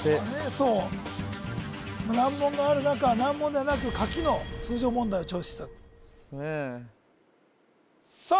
そう難問のある中難問ではなく書きの通常問題をチョイスしたとさあ